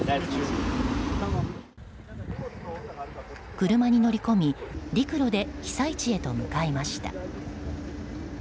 車に乗り込み陸路で被災地へと向かいました。